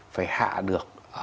phải hạ được